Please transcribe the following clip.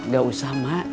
gak usah mak